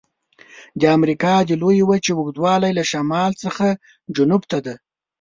د امریکا د لویې وچې اوږدوالی له شمال څخه جنوب ته دی.